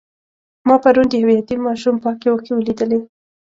ما پرون د یو یتیم ماشوم پاکې اوښکې ولیدلې.